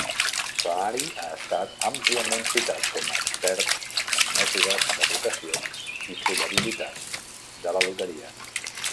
Saari ha estat àmpliament citat com a expert en mètodes de votació i probabilitats de la loteria.